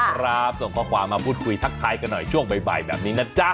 ส่งข้อความมาพูดคุยทักทายกันหน่อยช่วงบ่ายแบบนี้นะจ๊ะ